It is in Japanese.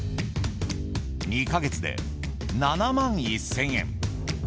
２か月で７万１０００円。